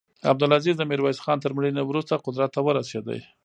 عبدالعزیز د میرویس خان تر مړینې وروسته قدرت ته ورسېد.